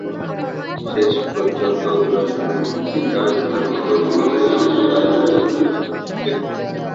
শেষ পর্যন্ত দুরসানের মূর্তিটা স্থাপিত হলে সেটি আলাদা ইতিহাস তো গড়বেই।